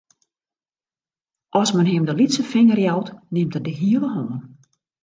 As men him de lytse finger jout, nimt er de hiele hân.